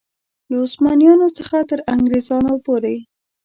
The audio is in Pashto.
له عثمانیانو څخه تر انګرېزانو پورې.